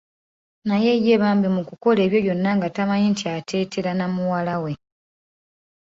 Naye ye bambi mu kukola ebyo byonna nga tamanyi nti ateetera namuwalawe.